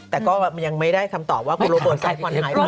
แต่ก็ยังไม่ได้คำตอบว่าคุณโรเบิร์ตสายควันหายไป